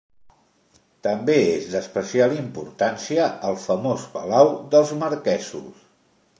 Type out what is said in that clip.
També és d'especial importància el famós palau dels marquesos.